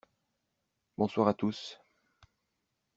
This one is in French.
Bonsoir à tous.